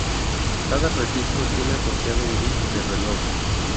Cada registro tiene asociado un bit de reloj.